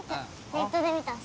ネットで見たの。